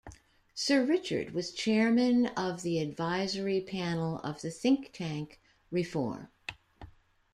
Sir Richard was chairman of the Advisory Panel of the think-tank Reform.